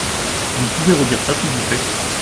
Vous pouvez redire ça s’il vous plait ?